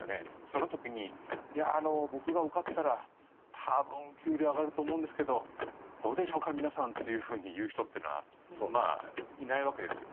その時に「いや僕が受かったら多分給料上がると思うんですけどどうでしょうか皆さん」というふうに言う人というのはいないわけですよ。